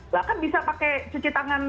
bahkan bisa pakai cuci tangan